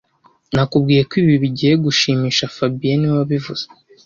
Nakubwiye ko ibi bigiye gushimisha fabien niwe wabivuze